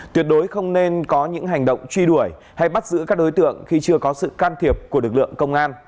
tuyệt đối không nên có những hành động truy đuổi hay bắt giữ các đối tượng khi chưa có sự can thiệp của lực lượng công an